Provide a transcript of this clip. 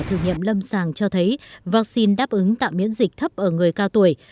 thử nghiệm lâm sàng cho thấy vắc xin đáp ứng tạm miễn dịch thấp ở người cao tuổi